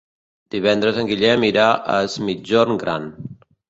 Divendres en Guillem irà a Es Migjorn Gran.